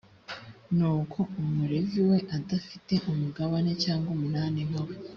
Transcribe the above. nuko umulevi we adafite umugabane cyangwa umunani nkawe